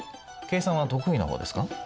計算は得意な方ですか？